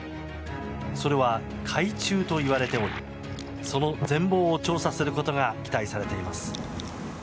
それは海中といわれておりその全貌を調査することが期待されています。